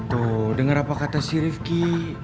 tuh dengar apa kata si rivki